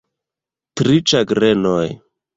Tri ĉagrenoj.